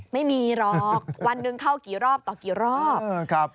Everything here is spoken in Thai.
ไม่มีหรอกวันหนึ่งเข้ากี่รอบต่อกี่รอบครับ